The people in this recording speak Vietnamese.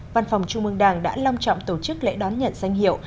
văn phòng trung mương đảng đã long trọng tổ chức lễ đón nhận danh hiệu